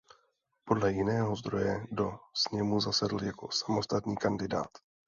Podle jiného zdroje do sněmu zasedl jako "samostatný kandidát".